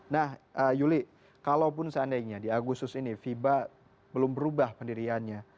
nah yuli kalaupun seandainya di agustus ini fiba belum berubah pendiriannya